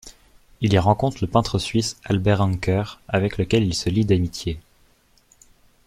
Il y rencontre le peintre suisse Albert Anker avec lequel il se lie d'amitié.